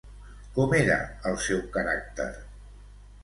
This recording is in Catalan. Com era el seu caràcter?